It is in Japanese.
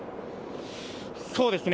そうですね。